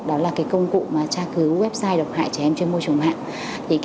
đó là công cụ tra cứu website độc hại trẻ em trên môi trường mạng